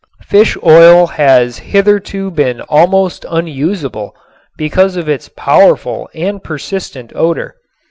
Fish oil has hitherto been almost unusable because of its powerful and persistent odor.